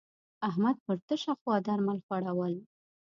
احمد پر تشه خوا درمل خوړول.